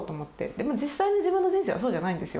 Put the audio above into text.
でも実際の自分の人生はそうじゃないんですよ。